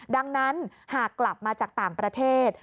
ดังนั้นหากกลับมาจากต่างประเทศ